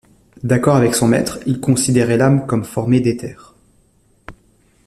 D'accord avec son maître, il considérait l'âme comme formée d'éther.